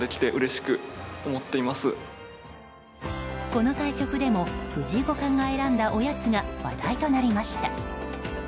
この対局でも藤井五冠が選んだおやつが話題となりました。